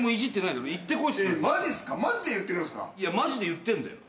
いやマジで言ってんだよ。